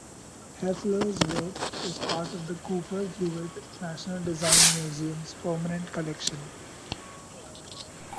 Hoefler's work is part of the Cooper-Hewitt, National Design Museum's permanent collection.